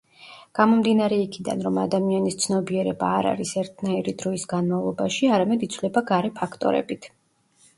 გამომდინარე იქიდან, რომ ადამიანის ცნობიერება არ არის ერთნაირი დროის განმავლობაში, არამედ იცვლება გარე ფაქტორებით.